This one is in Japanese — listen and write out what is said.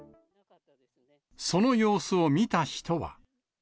その様子を見た人は。